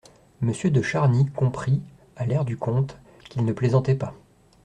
Monsieur de Charny comprit, à l'air du comte, qu'il ne plaisantait pas.